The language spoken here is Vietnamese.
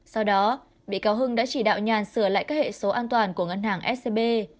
sau đó bị cáo hưng đã chỉ đạo nhàn sửa lại các hệ số an toàn của ngân hàng scb